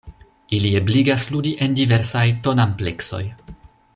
Ili ebligas ludi en diversaj ton-ampleksoj.